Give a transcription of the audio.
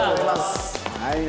はい。